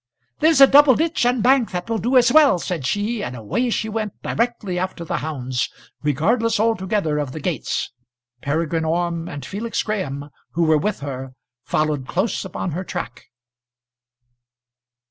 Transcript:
"There's a double ditch and bank that will do as well," said she, and away she went directly after the hounds, regardless altogether of the gates. Peregrine Orme and Felix Graham, who were with her, followed close upon her track.